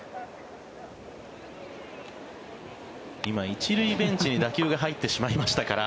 今、１塁ベンチに打球が入ってしまいました。